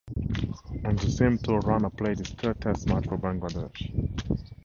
On the same tour, Rana played his third Test match for Bangladesh.